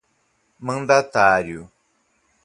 mandatário